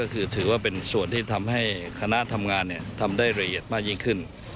ก็คือถือว่าเป็นส่วนที่ทำให้คณะทำงานทำได้ละเอียดมากยิ่งขึ้น